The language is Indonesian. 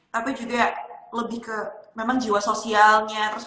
tapi juga lebih ke memang jiwa sosialnya